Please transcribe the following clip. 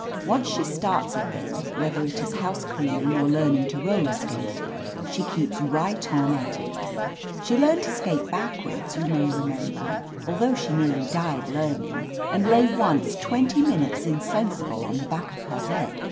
Once she starts a thing, whether it is house cleaning or learning to roller skate, she keeps right on at it She learned to skate backwards, you may remember, although she nearly died learning, and lay once twenty minutes insensi ble on the back of her head.